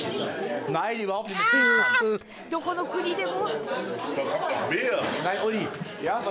どこの国でも。